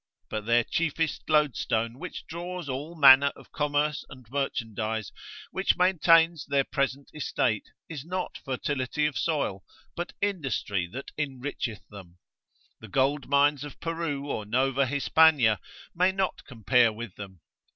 But their chiefest loadstone which draws all manner of commerce and merchandise, which maintains their present estate, is not fertility of soil, but industry that enricheth them, the gold mines of Peru, or Nova Hispania may not compare with them.